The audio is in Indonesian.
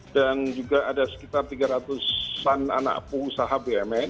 dan juga ada sekitar tiga ratus an anak usaha bmn